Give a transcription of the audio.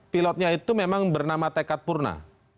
pilotnya itu memang bernama tekat purna